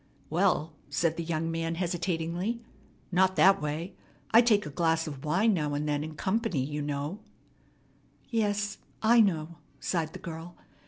"Well," said the young man hesitatingly, "not that way. I take a glass of wine now and then in company, you know " "Yes, I know," sighed the girl.